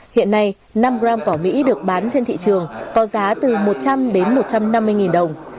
hiện nay năm gram cỏ mỹ được bán trên thị trường có giá từ một trăm linh đến một trăm năm mươi đồng